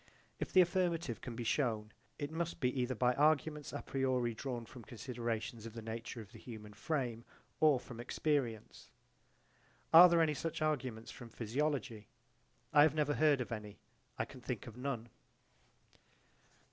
If the affirmative can be shewn it must be either by arguments a priori drawn from considerations of the nature of the human frame or from experience. Are there any such arguments from physiology? I have never heard of any: I can think of none.